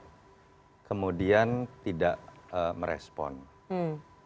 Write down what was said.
dan menjadi naif juga kalau kita mengatakan di acara partai politik butet yang kita sudah tahu perilakunya dari dulu